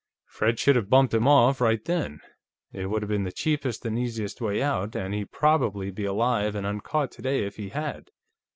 Fred should have bumped him off, right then; it would have been the cheapest and easiest way out, and he'd probably be alive and uncaught today if he had.